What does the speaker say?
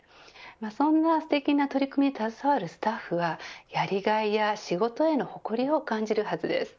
そんなすてきな取り組みに携わるスタッフはやりがいや仕事への誇りを感じるはずです。